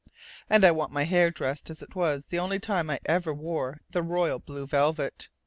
And I want my hair dressed as it was the only time I ever wore the royal blue velvet.